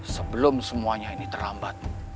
sebelum semuanya ini terlambat